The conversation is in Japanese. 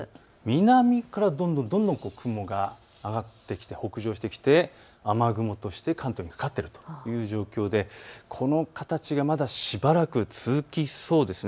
南からどんどん雲が上がってきて北上してきて雨雲として関東にかかっているという状況でこの形がまだしばらく続きそうです。